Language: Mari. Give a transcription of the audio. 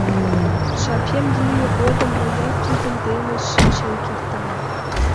Жапем лийме годым мыят тудын дене шинчен кертам.